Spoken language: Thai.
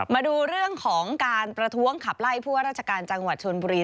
มาดูเรื่องของการประท้วงขับไล่ผู้ว่าราชการจังหวัดชนบุรี